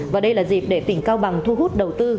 và đây là dịp để tỉnh cao bằng thu hút đầu tư